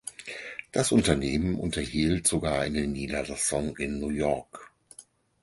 Das Unternehmen unterhielt sogar eine Niederlassung in New York.